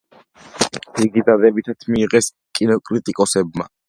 იგი დადებითად მიიღეს კინოკრიტიკოსებმა.